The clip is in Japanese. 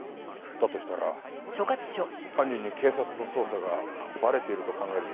だとしたら犯人に警察の捜査がバレていると考えるべきです。